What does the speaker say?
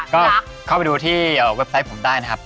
ก็เข้าไปดูที่เว็บไซต์ผมได้นะครับ